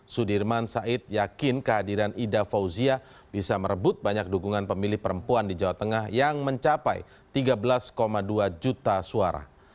sudirman said yakin kehadiran ida fauzia bisa merebut banyak dukungan pemilih perempuan di jawa tengah yang mencapai tiga belas dua juta suara